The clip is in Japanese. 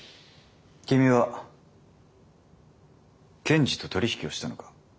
君は検事と取り引きをしたのか？